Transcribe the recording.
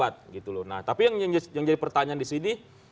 tapi yang jadi pertanyaan disini